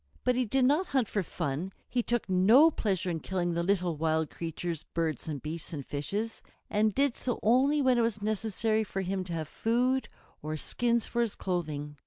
But he did not hunt for fun; he took no pleasure in killing the little wild creatures, birds and beasts and fishes, and did so only when it was necessary for him to have food or skins for his clothing.